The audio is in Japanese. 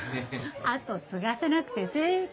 後継がせなくて正解！